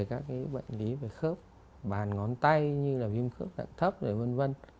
các bệnh lý về các cái bệnh lý về khớp bàn ngón tay như là viêm khớp đặng thấp rồi v v